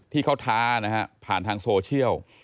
ที่เขาท้านะฮะผ่านทางโซเชียล